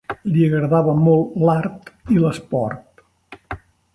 Li agradava molt l'art i l'esport.